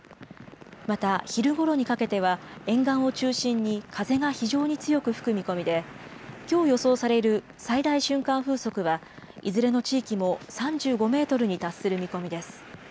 また、昼ごろにかけては、沿岸を中心に風が非常に強く吹く見込みで、きょう予想される最大瞬間風速はいずれの地域も３５メートルに達する見込みです。